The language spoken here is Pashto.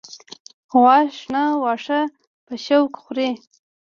غوا شنه واخه په شوق خوری